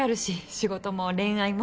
仕事も恋愛も。